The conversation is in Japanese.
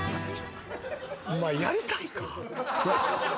お前やりたいか？